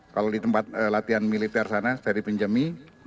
kalau di tempat latihan militer sana saya dipinjami